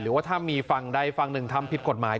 ว่าถ้ามีฝั่งใดฝั่งหนึ่งทำผิดกฎหมาย